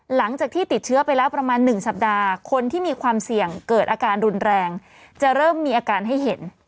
หลังจากที่ติดเชื้อไปแล้วประมาณ๑สัปดาห์คนที่มีความเสี่ยงเกิดอาการรุนแรงจะเริ่มมีอาการให้เห็น